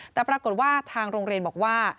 แต่ปรากฏว่าทางโรงเรียนบอกว่า